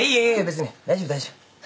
別に大丈夫大丈夫。